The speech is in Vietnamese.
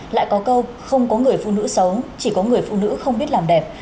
lại có câu không có người phụ nữ xấu chỉ có người phụ nữ không biết làm đẹp